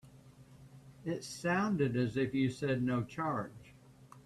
It sounded as if you said no charge.